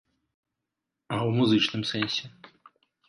А ў музычным сэнсе?